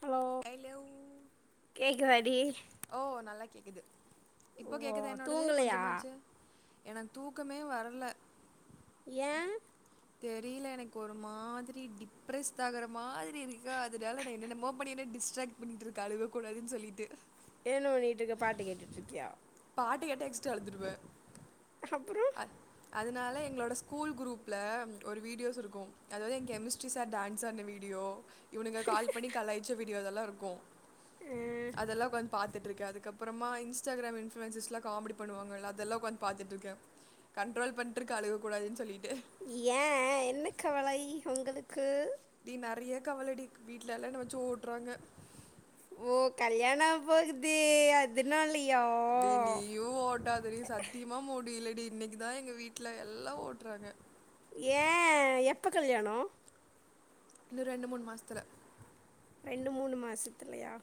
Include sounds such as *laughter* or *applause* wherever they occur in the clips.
Hello கேக்குதாடி ஓ நல்லா கேக்குது ஓ இப்போ கேக்குதா என்னோடது தூங்கலையா கொஞ்சமாச்சு எனக் தூக்கமே வரல ஏ தெரில எனக்கொரு மாதிரி டிப்ரெஸ்டாகுற மாரி இருக்கா அதனால நா என்னன்னாமோ பண்ணிட்டு டிஸ் ட்ராக் பண்ணிட்டுருக்கா அழுக கூடாதுன்னு சொல்லிட்டு வேறென்ன பண்ணிட்டுருக்க பாட்டு கேட்டுட்ருக்கியா பாட்டு கேட்ட எக்ஸ்ட்ரா அழுதுருவே அப்றோ அதனால் எங்களோட ஸ்கூல் குரூப்ல ஒரு வீடியோஸ் இருக்கும் அதுவந்து எங்க கெமிஸ்ட்ரி சார் டான்ஸ் ஆடுன வீடியோ இவுங்னுக கால் பண்ணி கலாய்ச்ச வீ டியோதெல்லா இருக்கூ அஹ், அதெல்லா கொஞ் பாத்துட்டுருக்யே அது க்கப்றமா இன்ஸ்டாக்ராம் இன்ஃப்ளுயன்ஸஸ்லா காமடி பண்ணுவாங்கள்ல அதல்லா உக்காந் பாத்துட்ருக்கே கண்ட்ரோல் பண்ட்ருக்க அழுக கூடாதுன் சொல்லிட் ஏ என்ன கவலை உங்களுக்கு நறைய கவலடி வீட்லல்லா என்ன வெச்சு ஓட்றாங்க ஓ கல்யாணவபோகுதி அதுனாலி டி நீயு ஓட்டாதடி சத்திமா முடிலட் டி இன்னிக்குதா எங்க வீட்ல எல்லா ஓட்றாங்க ஏ எப்ப கல்யாணோ இன்னு ரெண்டு மூணு மாசத்தில ரெண்டு மூணு மாசத்துலயா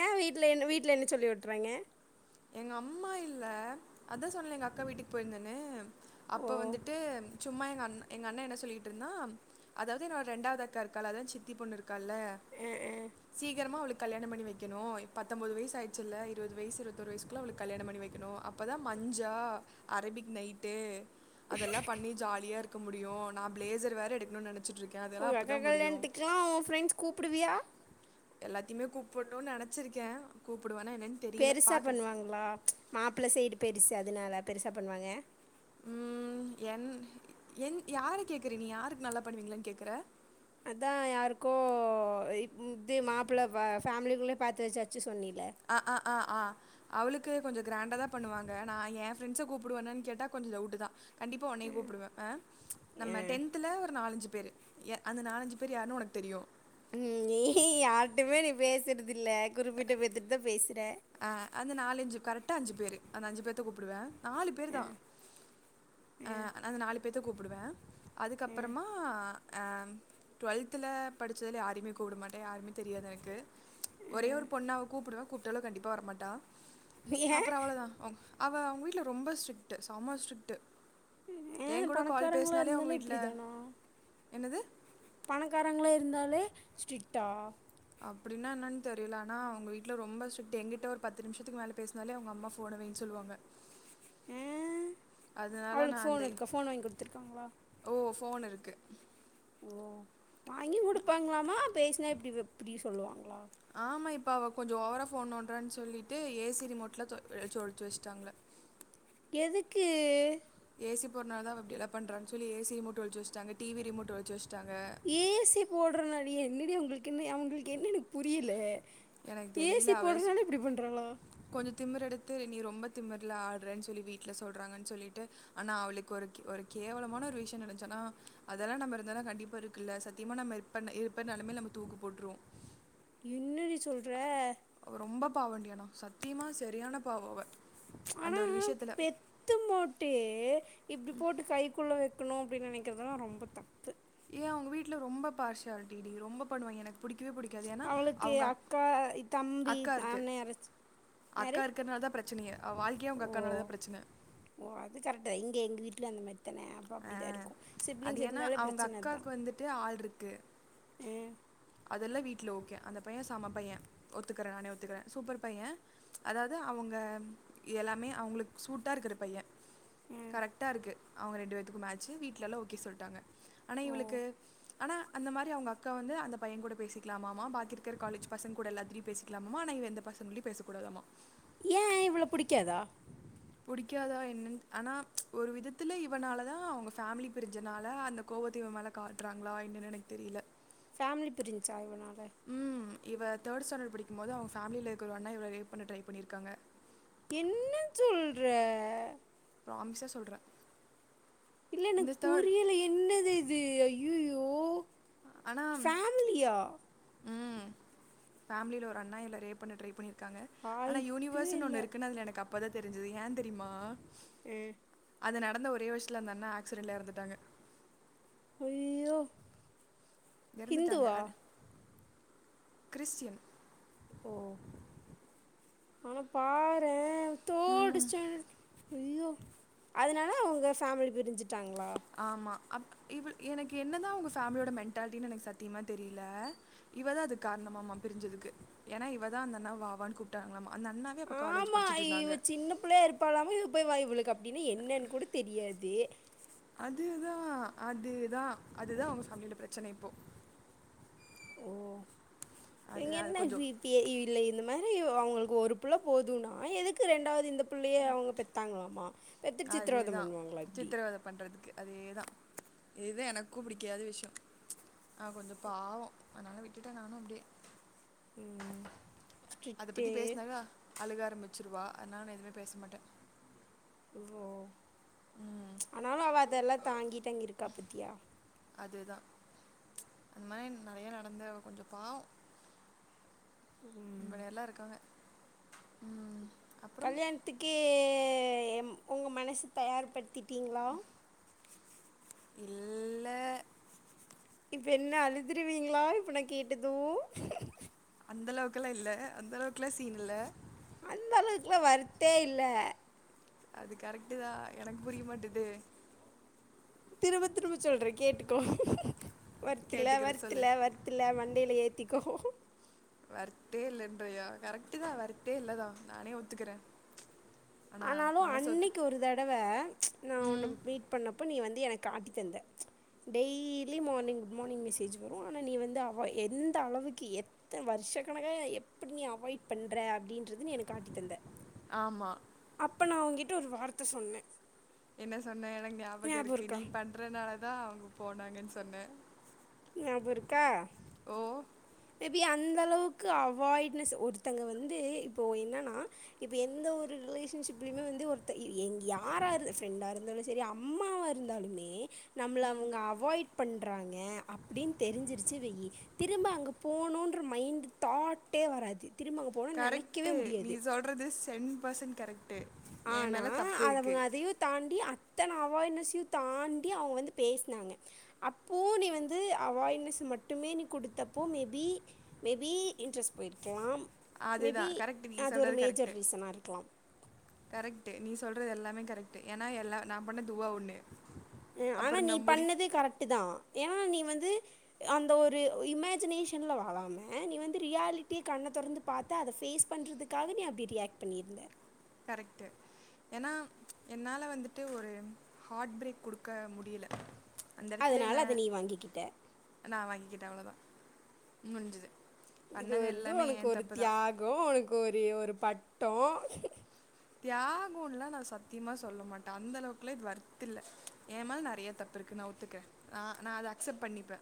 ஏ வீட்ல என் வீட்ல என்ன சொல்லி ஓட்றாய்ங்க எங்க அம்மா இல்ல அத்த சொன்னல்ல எங்க அக்கா வீட்டுக் போய்ர்ந்தனு ஓ அப்ப வந்துட்டு சும்மா எங்க அண் எங்க அண்ணெ என்ன சொல்லிகிட்டிருந்தா, அதாவ்து என்னோட ரெண்டாவது அக்கா இருக்கால்ல அதாவ் சித்தி பொண்ணு இருக் கால்ல அஹ், அஹ். சீக்கிரமா அவுளுக் கல்யாணம் பண்ணி வெக்கணு இ பத்தொம்பது வயசு ஆயிச்சுல்ல, இருவது வயசு இருவ தொரு வயசுக்குள்ள அவுளுக் கல்யாணம் பண்ணி வெய்க்கணு அப்ப தா மஞ்சா, அரபிக் நைட்டு அதல்லா பண்ணி ஜாலியாருக் க்க முடியு. நா பிளேசர் வேற எடுக்குணுன் நெனச் உ அக்கா கல்யாணத்துக்ல்லா உ ஃப்ரெண்ட்ஸ் கூப்டுவியா? எல்லாத்திமே கூப்புன்னுன் நெனச்சிருக்கே கூப் பெருசா பண்ணுவாங்ளா ப்ச் மாப்ள சைடு பெ டிஸு அதுனால பெருசா பண்ணுவாங்க. உம் என், என் யார கேக்கற நீ? யாருக் நல்லா பண்ணுவிங்ளான் கேக்ற? அதா யாருக்கோ இப்ம் இது மாப்பள வ ஃபேமிலிக்குள்ளே பாத்து வெச்சாச்சு சொன்னில் அ அ அ ஆ அவுளுக்கு கொஞ்சோ கிரேண்டா தா பண்ணுவாங்க. நா ஏ ஃரெண்ட்ஸ கூப்புடுவனான் கேட்டா கொஞ்ச டவுட்டு தா. கண்டிப்பா ஆ. ஒன்னைய கூப்டுவே. அ ப்ச் நம்ம ஆ. டென்த்ல ஒரு நாலஞ்சு பேரு. எ அந்த நாலஞ்சு பேரு யாருன் உனக் தெரியு கும் நீ யார்ட்டயுமே நீ பேசுறதில்ல. குறிப்பிட்ட பேத்துட் தா பேச அ அந்த நாலஞ்சி கரெக்ட்டா அஞ்சி பேரு அந்த அஞ்சி பேத்த கூப்டுவே. நாலு பேர் ஆ, தா. ஆ, அ அ அந்த நாலு பேத்த கூப்டுவே. ஆ, அதுக்கப்பறமா ஆ ஏ ம் டுவெல்த்துல படிச்சதுல யாரையுமே கூப்ட மாட்டே. யாருமே தெரியாது எனக்கு ஆ. ஒரே ஒரு பொண்ணு அவ கூப்டணும். கூப்ட்டாலும் கண்டிப் ப்பா வரமாட்டா ஏன் அப்றம் அவ்ளதா அவ அவங்க வீட்ல் ரொம்ப ஸ்ட்ரிக்ட் செம ஸ்ட்ரிக்ட். ஏ பணக்காரங்ளா இருந்தாலே வீட்ல இப்டி தானா? என்னது? பணக்காரங்ளா இருந்தாலே ஸ்டிரிக்டா? அப்டின என்னன்னு தெரியல, ஆனா அவங்க வீட்ல ரொம்ப ஸ்ட்ரிக்ட். ஏங்கிட்ட ஒரு பத்து நிமிஷத்துக்கு மேல பேசுனாலே அவங்க அம்மா போனை வைன்னு சொல்வாங்க. ம் அவளுக்கு நான் அந்த போன் இருக்கா? போன் வாங்கி குடுத்துருக்காங்ளா? போன் இருக்கு. உம் வாங்கியு குடுப்பாங்ளாமா? பேசுனா இப்டி எப்டி? சொல்லுவாங் ஆமா இப்ப அவ கொஞ்சம் ஓவரா போன் நொன்றட் சொல்லிட்டு ஏ சி ரிமோட்டல்லா தொ வெச்சு ஓளிச்சு வெச்சுட்டாங்க எதுக்கு ஏ சி போடனாலதா அவ இப்படி எல்லா பண்றணு சொல்லி ஏ சி ரிமோட் ஒளிச்சுவெச்சுட்டங்க டி வி ரிமோட் ஒளிச்சுவெச் ஏ சி போடுறனால என்னடி உங்களுக் க்கு அவங்களுக்கு என்னனு புரியல எனக்கு ஏ தெரியல சி அவ போடறனால எப்படி பண்றங்களா தெ நீ ரொம்ப திமர்ல ஆடுறேன்னு சொல்லி வீட்டுல சொல்றாங்கன்னு சொல்லிட்டு ஆனா அவளுக்கு ஒரு ஒரு கேவலமான ஒரு விஷயம் நடெஞச்சு ஆனா அதெல்லாம் நம்ம இருந்தாலும் கண்டிப்ப இருக்குல்ல சத்தியமா நம்ம இப்ப இருப்பனாலுமே நம்ம தூக்கு போட்டுருவோம் இன்னடி சொல்ற அவ ரொம்ப பாவண்டி ஆனா சத்தியமா சரியான பாவம் அவ ஆனா பெத்து மொட் ட்டு இப்படி போட்டு கைக்குள்ள வெ இருக்கணு அப்படின்னு நினைக்கிறதுல்லா ரொம்ப தப்பு ஏ அவங்க வீட்டுல ரொம்ப பார்சியாலிட்டி டி ரொம்ப பண்ணுவாங் எனக் அவளுக்கு அக்கா தம்பி அக்கா இருக்கு அண்ண யாரச்சு யாரு சுனிய அவ வாழ்க்கையே அவங்க ஓ அக்கானாலதா பிரச்சன இல்ல அந்தமாரி இத்தனை அப்ப அப்படிதா இருக்கும் அது சிப்லிங்ஸ் ஏன்னா இருந்தாலே அவங்க பிரச்சனதா அக்காவுக்கு வந்துட்டு ஹம் அதெல்லா வீட்டில ஓகே அந்த பைய செம பைய ஒத்துக்கற நானே ஒத்துக்கிற சூப்பர் பைய அதாவது அவங்க எல்லாமே அவங்களுக்கு சூட்டாக இருக்கிற பைய ம் கரெக்டா இருக்கு அவங்க ரெண்டு பேத்துக்கும் மேட்சு வீட்லாலா ஓகே சொல்ட்டாங்க ஆனா ஓ இவளுக்கு ஆனா அந்த மாரி அவங்க அக்கா வந்து அந்த பையன் கூட பேசிக்கலாமாமா பாக்கி இருக்கிற காலேஜ் பசங் கூட எல்லாத்டயும் பேசிக்கலாமாமா ஆனா இவ எந்த பசங்கள்டயு பேச கூடாதாமா ஏன் இவ்வள புடிக்காதா பிடிக்காதா என்னன் ஆனா ப்ச் ஒரு விதத்துல இவனால தான் அவங்க ஃபேமிலி பிரிஞ்சனால அந்த கோபத்த இவன் மேல காட்டுறாங்களா என்னன்னு எனக்கு தெரியில பேமிலி பிரிஞ்சா இவனால பை ம் இவ தேர்ட் ஸ்டாண்டர்ட் படிக்கும்போது அவ ஃபேிலில இருக்கிற ஒரு அண்ண இவள ரேப் பண்ணட்ரை பண்ணிருக்காங்க என்ன சொல்ற ப்ராமிஸாக சொல்ற இல்ல எனக்கு புரியல என்னது இது ஐயயோ தோ ஆனால் ஃபேமிலியா ம் ஃபேமிலியில ஒரு அண்ணா இவள ரேப் பண்ண ட்ரை பண்ணிரு க்காங்க ஆனா வாய்ப்பே யூனிவர்ஸ்னு ஒன்னு இல்லை இருக்குனு அதுல எனக்கு அப் இப்பதான் தெரிஞ்சது ஏன் தெரியுமா ஏ அது நடந்த ஒரே வருஷத்துல அந்த அண்ண ஆக்சிடெண்ட்ல இறந்துட்டாங்க ஐய்யோ எறந்துட்டாங்க அது கிறிஸ்டியன் ஓ ஆனா பாரேன் ம் தோடு ச ஐய்யோ அதனால அவங்க ஃபேமிலி பிரிஞ்சு ட்டாங்லா ஆமா. அப் இவள் எனக்கு என்ன தான் அவுங்க ஃபேமிலியோட மென்ண்டாலிட்டின்னு எனக்கு சத்தியமா தெரியல இவ தான் அதுக்கு காரணமாம்மா பிரிஞ்சதுக்கு ஏன்னா இவ தான் அந்தண்ணாவ வாவான்னு கூப்ட்டாங்களாம்மா ஆமா இவ சின்ன புள்ளையா இருப்பாலாமா இப்பைவாய் இவளுக்கு அப்டின்னா என்னன்னு கூட தெரியாது தே அதுதான் அதுதான் அதுதான் அவுங்க பேமிலியோட பிரச்சனை இப்போ ஓ அது இவங்க அது என்ன கொஞ்சம் *unintelligible* இல்ல இந்த மாரி ப்போ அவங்களுக்கு ஒரு புள்ள போதுனா எதுக்கு ரெண்டாவது இந்த புள்ளைய அவங்க பெத்தாங்களாமா பெத்துட் சித்திரவத அதுதான் பண்ணுவாங்களா இப்டி சித்திரவதை பண்றதுக்கு அதேதான் இது தான் எனக்கும் பிடிக்காத விஷயம் ஆஹ் கொஞ்சம் பாவம் அதனால விட்டுட்டேன் நானும் அப்படியே ம் அத ஸ்ரிட்டு பத்தி பேசினாவே அழுக ஆரம்பிச்சிடுவா அதனால நான் எதுவுமே பேச மாட்டேன் வோ ச் ஆனாலும் அவ அதெல்லா தாங்கிட்டங்க இருக்கா பத்தியா அதுதான். அந்த மாரி நறைய நடந்து அவ கொஞ்ச பாவம் ம். இங்கன எல்லா இருக்காங்க ம் அப்புறம் கல்யாணத்துக்கு கு உங்க மனச தயார் படுத்திட்டீங்ளா? இல்ல இப்ப என்ன அழுதுருவீங்ளா இப்ப நா கேட்டதும் அந்த அளவுக்குலா இல்ல, அந்த அளவுக்லா சீன் இல்ல அந்த அளவுக்குலா வொர்த்தே இல்ல அது கரெக்டுதா எனக்கு புரிய மாட்டுது திரும்ப திரும்ப சொல்றே கேட்டுக்கோ வொர்த்தில்ல கேட்டுக்கிற சொல்லு வொர்த்தில்ல வொர்த்தில்ல மண்டைல ஏத்தி க்கோ வொர்த்தே இல்லன்றியா கரெக்டுதா வொர்த்தே இல்லதா நானே ஒத்துக்கிறே ஆனாலு அன்னைக்கி ஒரு தடவ நா ஒன்ன ம் மீட் பண்ணப்போ நீ வந் து எனக்கு காட்டி தந்த daily morning good morning message வரு ஆனா நீ வந்து அவ எந்த அளவுக்கு எத்த வருஷ கணக்கா எப்டி நீ அவாய்ட் பண்ற அப்டின்றது நீ எனக் காட்டி தந்த ஆமாம் அப்ப நா ஓங்கிட்ட ஒரு வார்த்த சொன்னே என்ன சொன்ன எனக் ஞாபக இருக்கு நீ இருக்கா பண்றனாலதா போனாங்கனு சொன்ன ஞாபோருக்கா மே பி அந் ந்த அளவுக்கு அவாய்ட்னஸ் ஒருத்தங்க வந்து இப்போ என்னன்னா இப்ப எந்த ஒரு ரிலேஷன்ஷிப்லயுமே வந்து ஒருத்த எங் யாரா இரு ஃப்ரெண்டா இரு ந்தாலு சேரி அம்மாவா இருந்தாலுமே நம்ள ம் அவங்க அவாய்ட் பண்றாங்க அப் ப்புடின் தெரிஞ்சிருச்சு வெய்யி திரும்ப அங்க போணோன்ற மைண்ட்டு தாட்டே வராது திரும்ப அங்கே போகணும்னு நினைக்கவே கரெக்ட்டு நீ முடியாது சொல்றது சென்ட் பசன்ட் கரெக் ஆனா அத அவங்க அதையு தாண்டி அத் த்தன அவாய்ட்னஸ்ஸையு தாண்டி அவங்க வந்து பேஸ்னாங்க அப்பூ நீ வந்து அவாய்ட்னஸ் மட்டுமே நீ குடுத்தப்போ மேபி மேபி இன்ட்ரெஸ்ட் போயிருக்குலாம் மேபி அதுதான் கரெக்ட் நீ அது ஒரு சொல்கிறது மேஜர் கரெக்டு ரீசனா இருக்கலாம் கரெக்ட்டு நீ சொல்றது எல்லாமே கரெக்ட்டு ஏன்னா எல்லா நா பண்ண தூவா ஒண்ணு அ ஆனா நீ பண்ணது கரெக்ட்டு தா ஏ னா நீ வந்து அந்த ஒரு இமேஜினேஷன்ல வழாம நீ வந்து ரியாலிட்டிய கண்ண தொறந்து பாத்தா அத ஃபேஸ் பண்றதுக்காக நீ அப்டி ரியாக்ட் பண்ணிருந்த கரெக்ட்டு ஏன்னா என்னால வந்துட்டு ஒரு ஹார்ட் பிரேக் குடுக்க முடியில அந்த இடத்துல என்ன அதனால் அதை நீ வாங்கிக்கிட்ட நா வாங்கிக்கிட்டே அவ்ளோதா முஞ்சுது இது வந்து உனக்கு ஒரு தியாகம் உனக்கு ஒரு ஒரு பட்டோம் தியாகோன்ல்லா நான் சத்தியமா சொல்ல மாட்ட அந்த அளவுக்குல இது ஒர்த்தில்ல ஏமால நெறைய தப்பு இருக்கு நான் ஒத்துக்கிறேன் ஆ நா அத அக்செப்ட் பண்ணிப்பே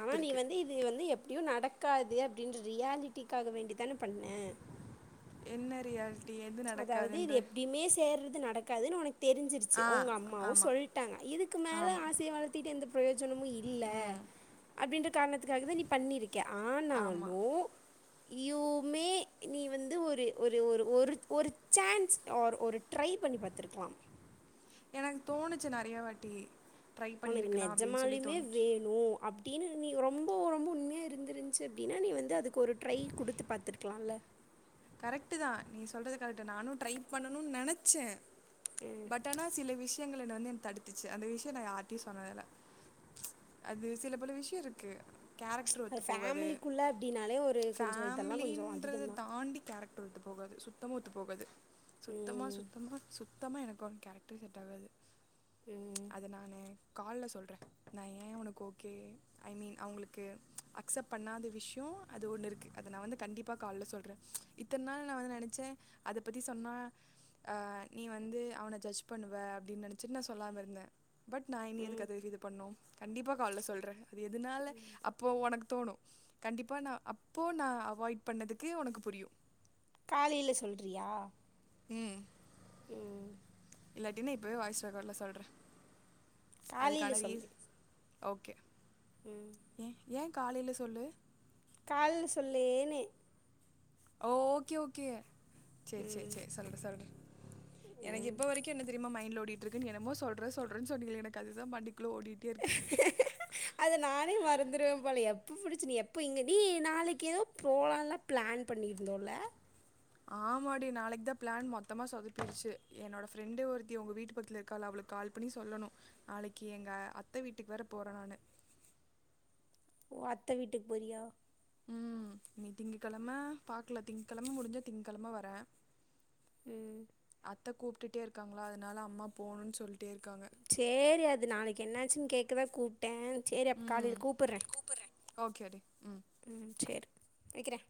ஆனா நீ வந்து இது வந்து எப்டியு நடக் க்காது அப்டின் ரியாலிட்டிக்காக வேண்டிதான பண்ணே என்ன ரியால் அதாவது இது எப்டியுமே சேர்றது நடக் காதுனு உனக் தெரிஞ்சிருச்சு ஆ உங்க அம்மாவு ஆமாம் சொல்ட்டாங்க இதுக்கு மேலே ஆமாம் ஆசைய வளர்த்திட்டு எந்த பிரயோஜனமு இல்ல ம் அப்டின்ற காரணத்துக்காக தா நீ பண்ணிருக்கே ஆமா ஆனாலூ யுவுமே நீ வந்து ஒரு ஒரு ஒரு ஒரு ஒரு சான்ஸ் ஆர் ஒரு ட்ரை பண்ணி பாத்ருக்லாம் எனக்கு தோணுச்சு நெறைய வாட்டி ட்ரை உனக்கு பண்ணியிருக்கலாம் அப்படின்னு சொல்லி நெஜமாலியுமே தோணுச்சு வேணு அப் டீனு நீ ரொம்போ ரொம்ப வந்து உண்மையா இருந்திருந்ச்சு அப்டினா நீ வந்து அதுக்கு ஒரு ட்ரை குடுத்து பாத்துருக்லால கரெக்ட்டு தா நீ சொல்றது கரட்டு நானு ட்ரை பண்ணணுன் நெனச்சே ம் பட் ஆனா சில விஷ்யங்கள ன்ன வந்து என் தடுத்துச்சு அந்த விஷ்யோ நா யார்ட்யு சொன்னதேல அது சில பல விஷ்ய இருக்கு ச் அது ஃபேமிலிக்குள்ள அப்டின்னாலே ஒரு கொஞ்சோ இதெல்லா கொஞ்சோ அதிகந்தா ரட்ரு ஒத்து போகாது சுத்தமா ஒத்து போகாது சுத்தமா ம் சுத்தமா சுத்தமா எனக்கு வந் கேரக்ட்ரு செட் ஆகாது ம் அது நானு கால்ல சொல்ற நா ஏன் உனக் ஓகே ஐ மீன் அவுங்ளுக்கு அக்செப்ட் பண்ணாத விஷ்யோ அது ஒன்னு இருக்கு அத நா வந்து கண்டிப்பா கால்ல சொல்ற இத்தன் நாள் நா வந்து நெனச்ச அத பத்தி சொன்னா அஹ் நீ வந்து அவன ஜட்ஜ் பண்ணுவ அப்டின் நெனச்சு நா சொல்லாம இருந்த பட் நா இனி ம் எதுக்கது இது பண்ணோ கண்டிப்பா கால்ல சொல்ற அது எதுனால ம் அப்போ ஒனக் தோணு கண்டிப்பா நா அப்போ நா அவாய்ட் பண்ணதுக்கு ஒனக்கு புரியு காலேல சொல்றியா ம்ம் ம் ம் இல்லாட்டினா இப்புவே வாய்ஸ்ரெக்கார்டர்ல சொல்ற காலில சொல்லு ஓகே ம் எ ஏன் காலேல சொல்லு கால்ல சொல்லு நேன ஓ ஓகே ஓகே சேர் சேர் ம் சேர் சொல்ற சொல்ற எனக்கு ம் இப்ப வரைக்கு என்ன தெரிமா மை ண்ட்ல ஓடிட்ருக்கு நீ என்னமோ சொல்ற சொல்றன் சொன்னிங்ளே எனக்கு அதுதா மண்டைக் அத நானே மறந்துருவ போல எப்ப புடிச் சு எப்ப இங்க நீ நாளைக்கு எதோ போலானு பிளேன் பண்ணிருந்தோல ஆமாடி நாளைக்தா பிளேன் மொத்தமா சொதப்பிருச்சு என்னோட ஃப்ரெண்டு ஒருத்தி உங்க வீட்டு பக்கத்ல இருக்கால அவுளுக் கால் பண்ணி சொல்லணு நாளைக்கி எங்க அத்த வீட்டுக் வேற போற நானு ஓ அத்த வீட்டுக் போறியா ம் இனி திங்க கெழம பாக்லா திங்கெழம முடிஞ்சா திங்கெழம வரே ம் அத்த கூப் டுட்டே இருக்காங்ளா அதுனால அம்மா போகனுன் சொல் சேரி அது நாளைக்கு என்னாச்சுன் கேக்கதா கூப் ட்டே சேரி அப் காலேல ம் கூப்புர்றே ம் சேர் வெக்கிறே